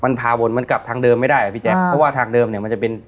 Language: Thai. มันพาวนมันกลับทางเดิมไม่ได้อ่ะพี่แจ๊คเพราะว่าทางเดิมเนี่ยมันจะเป็น